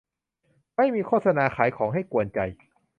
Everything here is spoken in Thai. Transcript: ไม่มีโฆษณาขายของให้กวนใจ